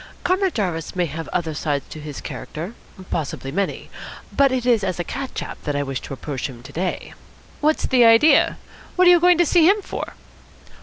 Comrade Jarvis may have other sides to his character possibly many but it is as a cat chap that I wish to approach him to day." "What's the idea? What are you going to see him for?"